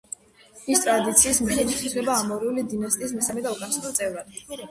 ის ტრადიციის მიხედვით ითვლება ამორეული დინასტიის მესამე და უკანასკნელ წევრად.